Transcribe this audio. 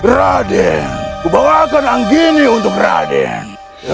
raden aku bawa kan anggini untuk raden